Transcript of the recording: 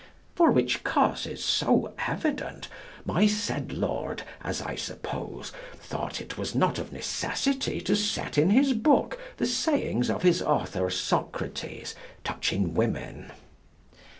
For which causes so evident my said Lord, as I suppose, thought it was not of necessity to set in his book the sayings of his author Socrates touching women.